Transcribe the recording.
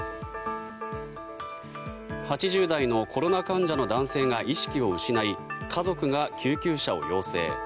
８０代のコロナ患者の男性が意識を失い家族が救急車を要請。